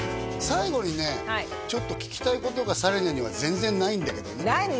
最後にねちょっと聞きたいことが紗理奈には全然ないんだけど何？